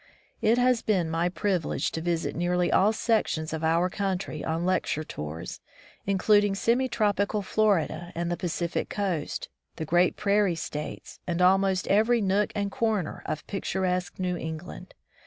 It has been my privilege to visit nearly all sections of our country on lecture tours, including semi tropical Florida and the Pacific coast, the great prairie states, and almost every nook and comer of picturesque New England.